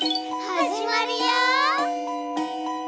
はじまるよ！